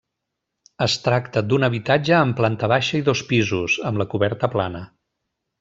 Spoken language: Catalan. Es tracta d'un habitatge amb planta baixa i dos pisos, amb la coberta plana.